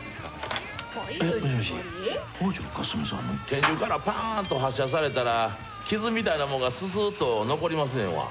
拳銃からパーンと発射されたら傷みたいなもんがススーっと残りますねんわ。